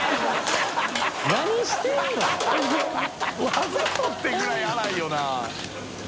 わざとってぐらい荒いよな。